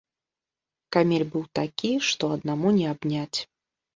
Камель быў такі, што аднаму не абняць.